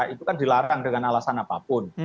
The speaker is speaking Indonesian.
itu kan dilarang dengan alasan apapun